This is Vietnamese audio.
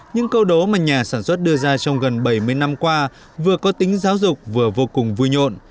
những câu đố mà nhà sản xuất đưa ra trong gần bảy mươi năm qua vừa có tính giáo dục vừa vô cùng vui nhộn